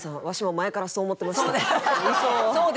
前からそう思ってました。